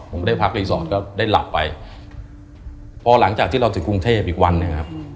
ผมได้พักรีสอร์ทก็ได้หลับไปพอหลังจากที่เราถึงกรุงเทพอีกวันหนึ่งครับ